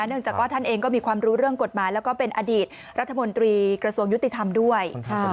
เนื่องจากว่าท่านเองก็มีความรู้เรื่องกฎหมายแล้วก็เป็นอดีตรัฐมนตรีกระทรวงยุติธรรมด้วย